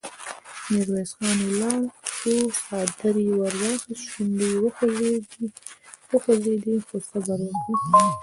ميرويس خان ولاړ شو، څادر يې ور واخيست، شونډې يې وخوځېدې: هو! صبر وکړئ!